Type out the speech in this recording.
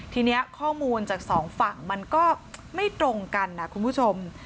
ทีนี้ข้อมูลจากสองฝั่งมันก็ไม่ตรงกันนะคุณผู้ชม